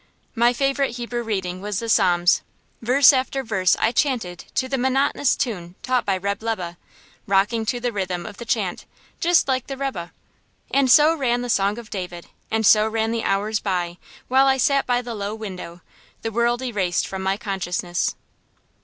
My favorite Hebrew reading was the Psalms. Verse after verse I chanted to the monotonous tune taught by Reb' Lebe, rocking to the rhythm of the chant, just like the rebbe. And so ran the song of David, and so ran the hours by, while I sat by the low window, the world erased from my consciousness.